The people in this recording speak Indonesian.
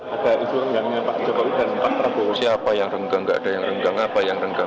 ada isu renggangnya pak jokowi dan pak prabowo siapa yang renggang tidak ada yang renggang apa yang renggang